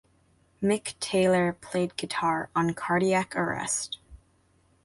Mick Taylor played guitar on "Cardiac Arrest".